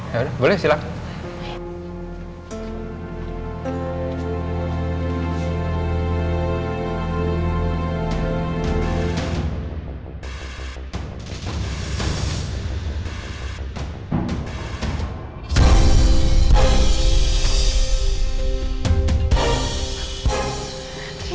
ya udah boleh silahkan